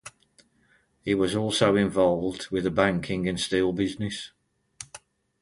He was also involved with the banking and steel businesses.